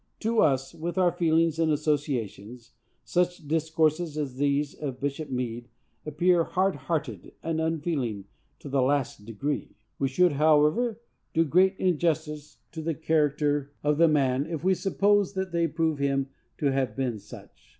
To us, with our feelings and associations, such discourses as these of Bishop Meade appear hard hearted and unfeeling to the last degree. We should, however, do great injustice to the character of the man, if we supposed that they prove him to have been such.